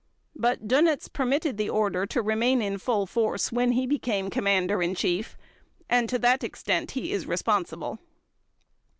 But Dönitz permitted the order to remain in full force when he became Commander in Chief, and to that extent he is responsible.